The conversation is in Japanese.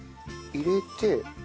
入れて。